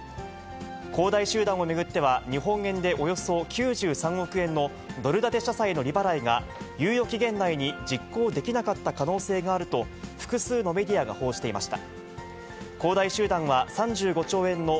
恒大集団を巡っては、日本円でおよそ９３億円のドル建て社債の利払いが、猶予期限内に実行できなかった可能性があると、複数のメディアが報じていました。